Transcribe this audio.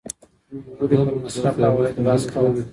نوموړي پر مصرف او عاید بحث کاوه.